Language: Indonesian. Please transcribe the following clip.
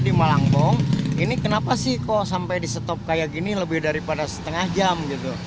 di malangbong ini kenapa sih kok sampai di stop kayak gini lebih daripada setengah jam gitu